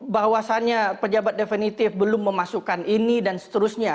bahwasannya pejabat definitif belum memasukkan ini dan seterusnya